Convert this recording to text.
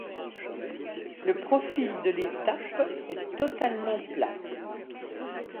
Le profil de l'étape est totalement plat.